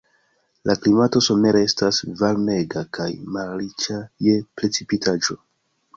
La klimato somere estas varmega kaj malriĉa je precipitaĵo.